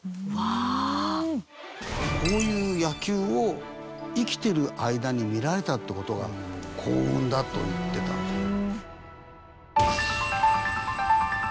こういう野球を生きてる間に見られたって事が幸運だと言ってたんです。